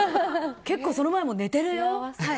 結構、その前も寝てるよ？